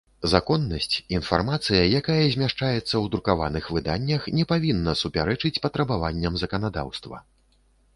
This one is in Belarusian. Законнасць – iнфармацыя, якая змяшчаецца ў друкаваных выданнях, не павiнна супярэчыць патрабаванням заканадаўства.